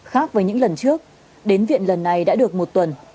khác với những lần trước đến viện lần này đã được một tuần